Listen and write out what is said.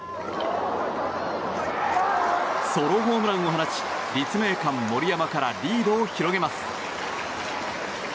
ソロホームランを放ち立命館守山からリードを広げます。